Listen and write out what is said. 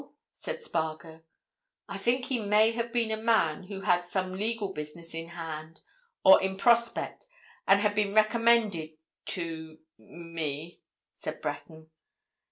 said Spargo. "I think he may have been a man who had some legal business in hand, or in prospect, and had been recommended to—me," said Breton.